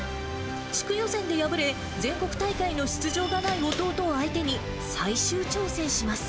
地区予選で敗れ、全国大会の出場がない弟を相手に、最終調整します。